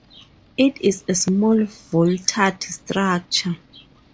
It is a small vaulted structure.